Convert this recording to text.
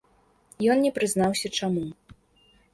Ён не прызнаўся, чаму.